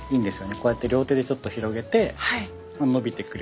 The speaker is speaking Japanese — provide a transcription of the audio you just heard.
こうやって両手でちょっと広げてのびてくれれば。